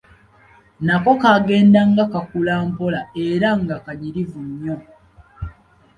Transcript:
Nako kagendanga kakula mpola era nga kanyirivu nnyo.